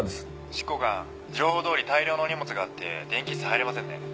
「執行官情報どおり大量の荷物があって電気室入れませんね」